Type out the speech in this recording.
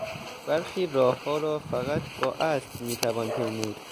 برخی راهها را فقط با اسب میتوان پیمود.